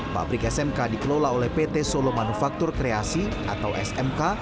pabrik smk dikelola oleh pt solo manufaktur kreasi atau smk